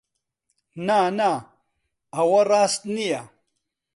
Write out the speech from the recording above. نا، نا! ئەوە ڕاست نییە.